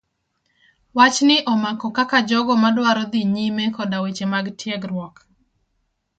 Wach ni omako kaka jogo madwaro dhi nyime koda weche mag tiegruok.